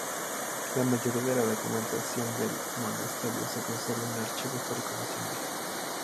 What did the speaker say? La mayoría de la documentación del monasterio se conserva en el Archivo Histórico Nacional.